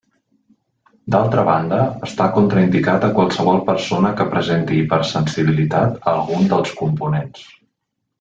D'altra banda, està contraindicat a qualsevol persona que presenti hipersensibilitat a algun dels components.